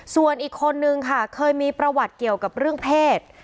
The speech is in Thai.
ส่วนอีกคนนึงค่ะเคยมีประวัติเกี่ยวกับเรื่องเพศ